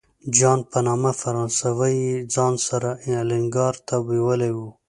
جان په نامه فرانسوی یې ځان سره الینګار ته بیولی و.